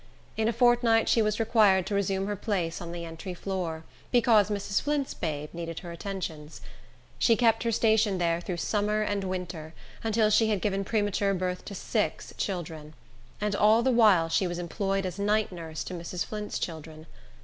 In a fortnight she was required to resume her place on the entry floor, because Mrs. Flint's babe needed her attentions. She kept her station there through summer and winter, until she had given premature birth to six children; and all the while she was employed as night nurse to Mrs. Flint's children.